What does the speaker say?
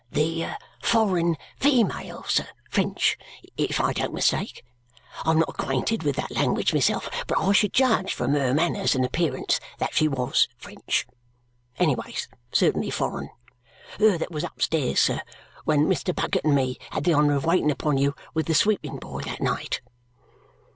"The foreign female, sir. French, if I don't mistake? I am not acquainted with that language myself, but I should judge from her manners and appearance that she was French; anyways, certainly foreign. Her that was upstairs, sir, when Mr. Bucket and me had the honour of waiting upon you with the sweeping boy that night."